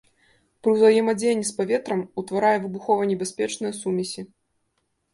Пры ўзаемадзеянні з паветрам утварае выбухованебяспечныя сумесі.